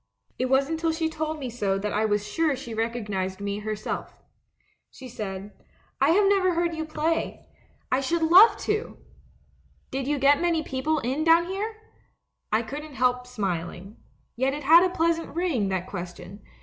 It wasn't till she told me so that I was sure she recognised me herself. "She said, 'I have never heard you play; I 186 THE MAN WHO UNDERSTOOD WOMEN should love to! Did you get many people in down here?' "I couldn't help smiling. Yet it had a pleas ant ring, that question.